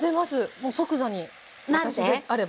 もう即座に私であれば。